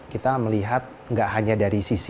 kita melihat gak hanya dari sisi kondisi